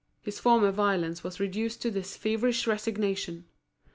His former violence was reduced to this feverish resignation.